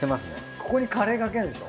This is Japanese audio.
ここにカレーかけるんでしょ？